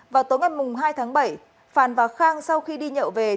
vào tối mặt mùng hai tháng bảy phàn và khang sau khi đi nhậu về